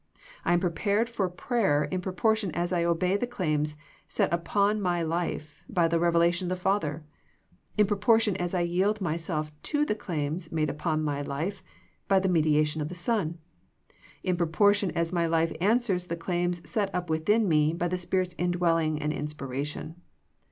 I am prepared for prayer in proportion as I obey the claims set up upon my life by the revelation of the Father ; in proportion as I yield myself to the claims made upon my life by the mediation of the Son ; in proportion as my life answers the claims set up within me by the Spirit's indwelling and inspiration.